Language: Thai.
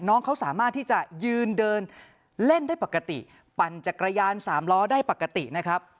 น้องเขาสามารถที่จะยืนเดินเล่นได้ปกติปั่นจักรยานสามล้อได้ปกตินะครับ